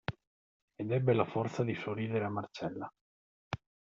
Ed ebbe la forza di sorridere a Marcella.